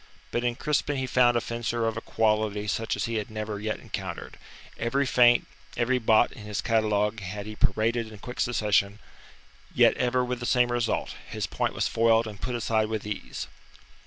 But in Crispin he found a fencer of a quality such as he had never yet encountered. Every feint, every botte in his catalogue had he paraded in quick succession, yet ever with the same result his point was foiled and put aside with ease.